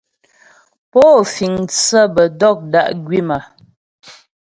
Pó fíŋ mtsə́ bə dɔ̀k dá' gwím a ?